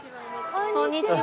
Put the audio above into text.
こんにちは。